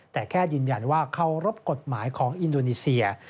แต่แค่ยืนยันว่าเคารพกฎหมายของอินโดนีเซีย